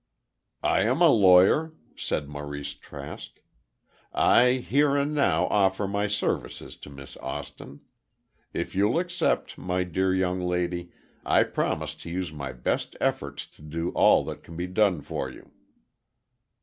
"I am a lawyer," said Maurice Trask, "I here and now offer my services to Miss Austin. If you'll accept, my dear young lady, I promise to use my best efforts to do all that can be done for you."